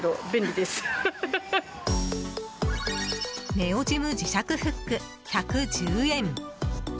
ネオジム磁石フック、１１０円。